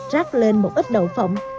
rác lên một ít đậu phộng